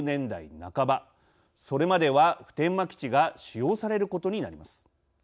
それまでは普天間基地が使用されることになります。